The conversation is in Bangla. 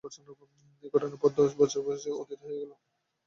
এই ঘটনার পর দশ বৎসর অতীত হইয়া গেল।